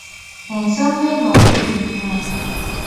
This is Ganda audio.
Ensonga eno nkulu nnyo.